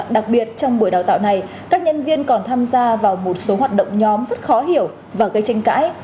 đặc biệt trong buổi đào tạo này các nhân viên còn tham gia vào một số hoạt động nhóm rất khó hiểu và gây tranh cãi